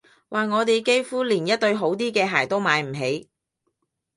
話我哋幾乎連一對好啲嘅鞋都買唔起